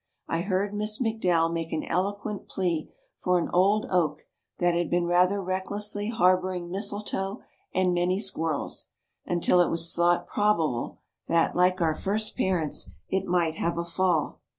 I heard Miss McDowell make an eloquent plea for an old oak that had been rather recklessly harboring mistletoe and many squirrels, until it was thought probable that, like our first parents, it might have a fall.